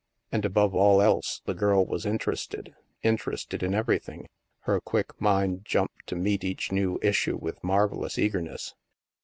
And above all else, the girl was interested — interested in everything. Her quick mind jumped to meet each new issue with marvellous eagerness.